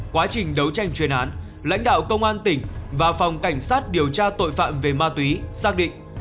quá trình đấu tranh chuyên án lãnh đạo công an tỉnh và phòng cảnh sát điều tra tội phạm về ma túy xác định